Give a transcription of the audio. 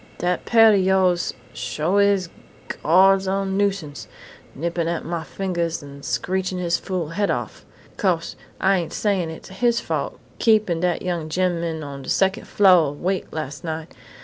Dat parrot o' yoahs sho is Gawd's own nuisance nippin' at mah fingahs an' screechin' his fool head off.... 'Cose I ain't sayin' it's his fault keepin' dat young gemman on de secon' flo' awake las' night....